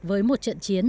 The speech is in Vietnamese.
với một trận chiến